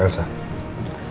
tidur di kamar yang terbisa